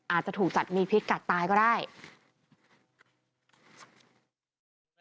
อาจจะถูกจัดมีพิษกัดตายก็ได้